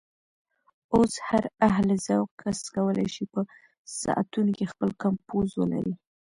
اوس هر اهل ذوق کس کولی شي په ساعتونو کې خپل کمپوز ولري.